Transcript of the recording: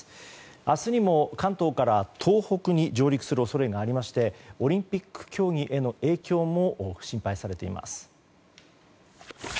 明日にも関東から東北に上陸する恐れがありましてオリンピック競技への影響も心配されています。